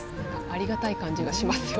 ありがたい感じがしますよ。